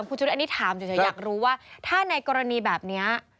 ผมถามเฉยอยากรู้ว่าถ้าในกรณีแบบนี้